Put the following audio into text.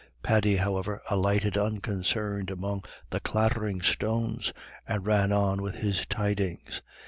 Paddy, however, alighted unconcerned among the clattering stones, and ran on with his tidings.